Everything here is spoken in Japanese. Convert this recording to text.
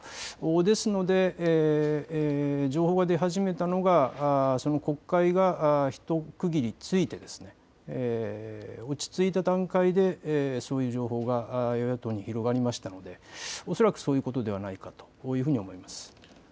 ですので、情報が出始めたのが国会が一区切りついて落ち着いた段階でそういう情報が与野党に広がりましたので恐らくそういうことではないかと思います。